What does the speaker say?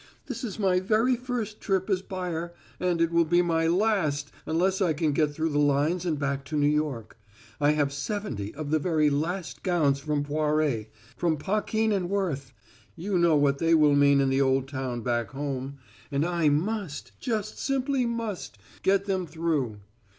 "This is my very first trip as buyer, and it will be my last unless I can get through the lines and back to New York. I have seventy of the very last gowns from Poiret, from Paquin and Worth you know what they will mean in the old town back home and I must just simply must get them through.